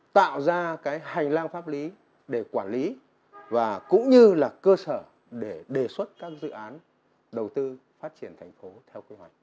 tạo ra hành lang pháp lý để quản lý và cũng như là cơ sở để đề xuất các dự án đầu tư phát triển thành phố theo quy hoạch